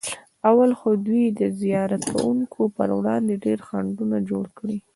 اول خو دوی د زیارت کوونکو پر وړاندې ډېر خنډونه جوړ کړي.